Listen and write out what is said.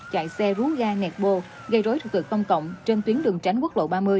chạy xe rú ga nẹt bô gây rối thực công cộng trên tuyến đường tránh quốc lộ ba mươi